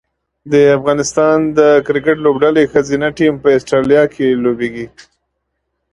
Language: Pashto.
د افغانستان د کرکټ لوبډلې ښځینه ټیم په اسټرالیا کې لوبیږي